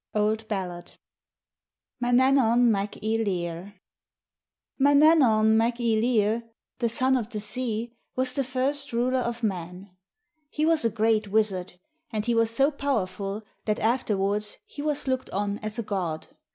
Old Ballad. MANANNAN MAC Y LEIRR Manannan Mac y Leirr, the Son of the Sea, was the first Ruler of Mann. He was a great Wizard, and he was so powerful that afterwards he was looked on as a god.